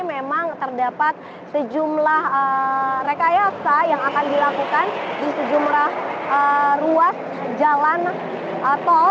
memang terdapat sejumlah rekayasa yang akan dilakukan di sejumlah ruas jalan tol